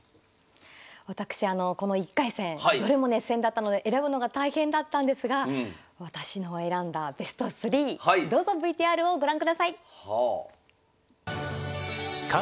私あのこの１回戦どれも熱戦だったので選ぶのが大変だったんですが私の選んだベスト３どうぞＶＴＲをご覧ください。